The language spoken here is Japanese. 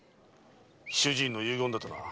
主人の遺言だとな。